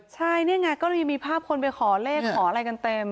ใช่นี่ไงก็เลยมีภาพคนไปขอเลขขออะไรกันเต็ม